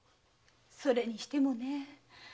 それにしてもねえ。